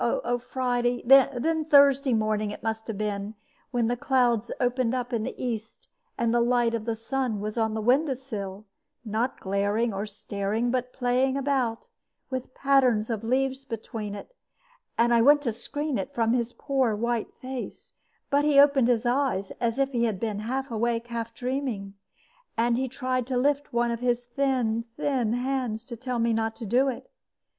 Oh, Friday then Thursday morning it must have been, when the clouds opened up in the east, and the light of the sun was on the window sill, not glaring or staring, but playing about, with patterns of leaves between it; and I went to screen it from his poor white face; but he opened his eyes, as if he had been half awake, half dreaming, and he tried to lift one of his thin, thin hands to tell me not to do it.